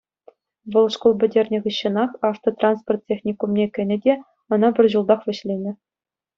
Вӑл шкул пӗтернӗ хыҫҫӑнах автотранспорт техникумне кӗнӗ те ӑна пӗр ҫултах вӗҫленӗ.